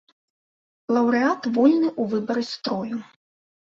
Лаўрэат вольны ў выбары строю.